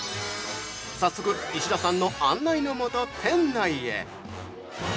早速、石田さんの案内のもと店内へ！